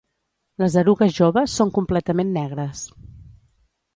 Les erugues joves són completament negres.